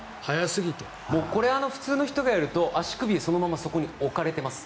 これを普通の人がやると足首、そのままそこに置かれてます。